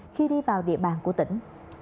khi đi vào địa bàn của tỉnh